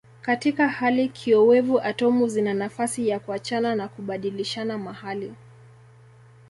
Katika hali kiowevu atomu zina nafasi ya kuachana na kubadilishana mahali.